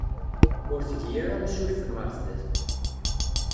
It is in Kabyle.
Ur tgi ara isurifen ɣer sdat.